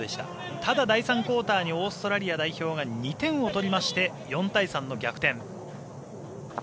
ただ、第３クオーターにオーストラリア代表が２点を取りまして４対３と逆転。